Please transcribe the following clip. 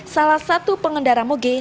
salah satu pengendara boge